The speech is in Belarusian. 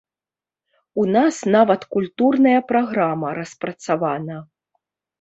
У нас нават культурная праграма распрацавана.